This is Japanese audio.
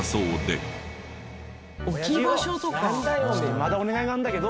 またお願いがあるんだけど。